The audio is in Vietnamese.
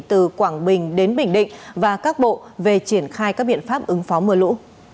từ quảng bình đến bình định và các bộ về triển khai các biện pháp ứng phó mưa lũ